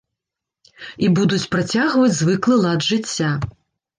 І будуць працягваць звыклы лад жыцця.